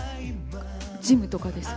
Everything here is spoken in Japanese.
ジムとかですか？